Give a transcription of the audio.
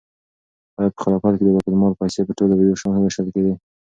آیا په خلافت کې د بیت المال پیسې په ټولو یو شان وېشل کېدې؟